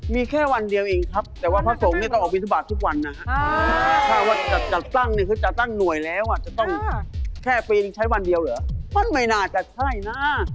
เมียของคุณตำรวจก็ติดตามคุณตำรวจเอง